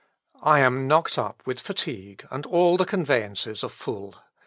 I am knocked up with fatigue, and all the conveyances are full.